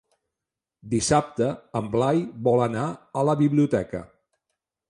Dissabte en Blai vol anar a la biblioteca.